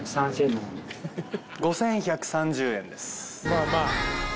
５，１３０円です。